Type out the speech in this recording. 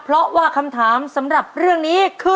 เพราะว่าคำถามสำหรับเรื่องนี้คือ